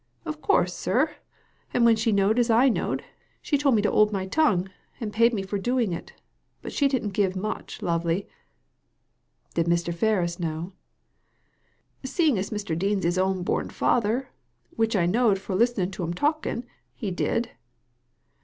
"Of course, sir! And when she knowed as I knowed, she tole me to 'old my tongue, and paid me for doing it ; but she didn't give much, lovey I " "Did Mr. Ferris know? " "Seeing as Mr. Dean's his own bom father — which I knowed fro' listening to 'm talking — he did."